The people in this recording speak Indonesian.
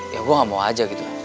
ya gue gak mau aja gitu